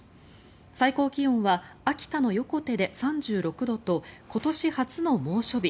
最高気温は秋田の横手で３６度と今年初の猛暑日